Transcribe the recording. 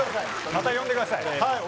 また呼んでください